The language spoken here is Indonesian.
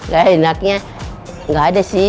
gak enaknya nggak ada sih